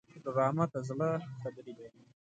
ډرامه د زړه خبرې بیانوي